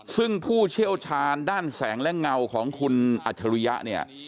ซึ่งผู้เชี่ยวชาญด้านแสงและเงาของคุณอัจฉริยะเนี่ย